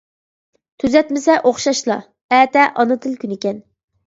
تۈزەتمىسە ئوخشاشلا. ئەتە ئانا تىل كۈنىكەن!